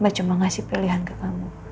mbak cuma ngasih pilihan ke kamu